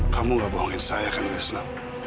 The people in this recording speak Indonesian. kamu tidak bohongin saya kan wisnu